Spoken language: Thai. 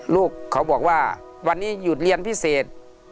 ลูกเขาบอกว่าวันนี้หยุดเรียนพิเศษ